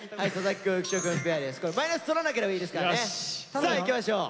さあいきましょう。